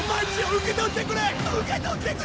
受け取ってくれ！